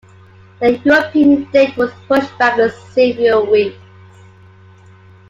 The European date was pushed back several weeks.